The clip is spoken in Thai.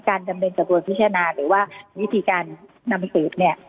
การดำเนินตะโดยพิชนาหรือว่าวิธีการนำสืบเนี้ย